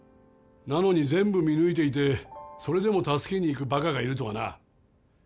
なのに全部見抜いていてそれでも助けに行くバカがいるとはな。